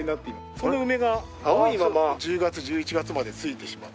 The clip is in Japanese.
その梅が青いまま１０月１１月までついてしまう。